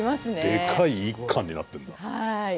でかい１貫になってんだ。